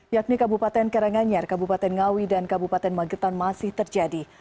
yakni kabupaten karanganyar kabupaten ngawi dan kabupaten magetan masih terjadi